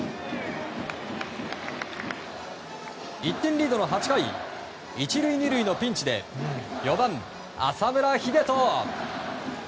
１点リードの８回１塁２塁のピンチで４番、浅村栄斗。